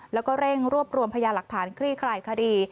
แล้วก็เร่งรวบรวมพยาหลักฐานคลี่คลายคดี